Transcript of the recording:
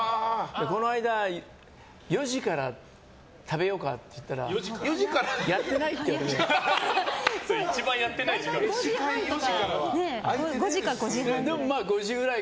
この間４時から食べようかって言ったら一番やってない時間ですよ。